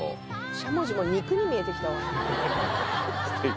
しゃもじも肉に見えてきたわステーキ？